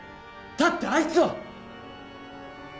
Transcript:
だってあいつは。